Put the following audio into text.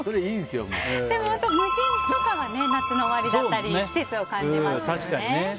虫とかは夏の終わりだったり季節を感じますよね。